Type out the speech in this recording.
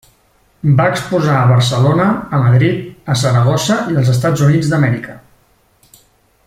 Va exposar a Barcelona, a Madrid, a Saragossa i als Estats Units d'Amèrica.